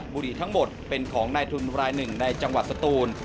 บุรีทั้งหมดเป็นของนายทุนรายหนึ่งในจังหวัดสตูน